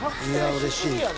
うれしい。